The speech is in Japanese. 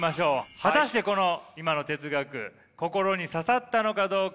果たしてこの今の哲学心に刺さったのかどうか。